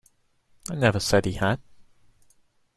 I never said he had.